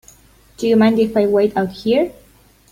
Do you mind if I wait out here?